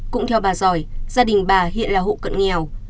cũng theo bà giỏi gia đình bà hiện là hộ cận nghèo